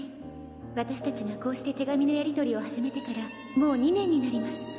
「わたしたちがこうして手紙のやり取りを始めてからもう２年になります」